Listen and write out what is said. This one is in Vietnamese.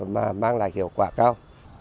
mà mang lại hiệu quả cao